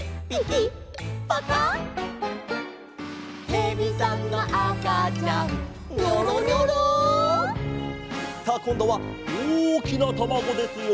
「へびさんのあかちゃん」「ニョロニョロ」さあこんどはおおきなたまごですよ！